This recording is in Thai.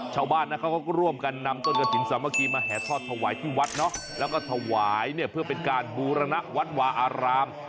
ชาวบ้านนะเขาก็ร่วมกันนำต้นกระถิ่นสามัคคีมาแห่ทอดถวายที่วัดเนาะแล้วก็ถวายเนี่ยเพื่อเป็นการบูรณวัดวาอาราม